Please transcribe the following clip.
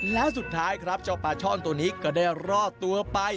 แล้วสุดท้ายครับเจ้าปลาช่อนตัวนี้ก็ได้รอดตัวไป